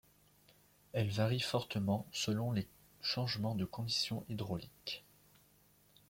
Elle varie fortement selon les changements de conditions hydrauliques.